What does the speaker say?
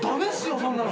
そんなの！